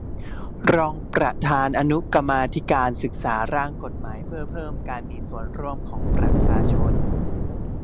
รองประธานอนุกรรมาธิการศึกษาร่างกฎหมายเพื่อเพิ่มการมีส่วนร่วมของประชาชน